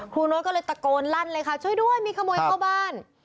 โน๊ตก็เลยตะโกนลั่นเลยค่ะช่วยด้วยมีขโมยเข้าบ้าน